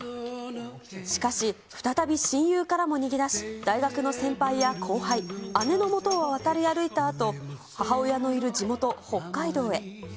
しかし、再び親友からも逃げ出し、大学の先輩や後輩、姉のもとを渡り歩いたあと、母親のいる地元、北海道へ。